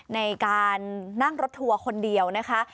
ในการนั่งรถทัวร์คนเดียวนะคะ